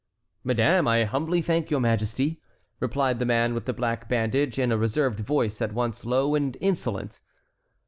"Madame, I humbly thank your majesty," replied the man with the black bandage, in a reserved voice at once low and insolent.